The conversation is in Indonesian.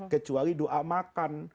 kecuali doa makan